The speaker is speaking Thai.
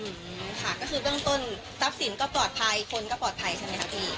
ค่ะก็คือเบื้องต้นทรัพย์สินก็ปลอดภัยคนก็ปลอดภัยใช่ไหมคะพี่